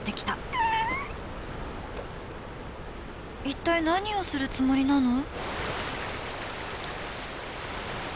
一体何をするつもりなの？